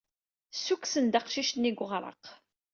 Ssukksen-d aqcic-nni seg uɣraq.